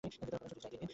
পড়ার ছুটি চাই তিন দিন।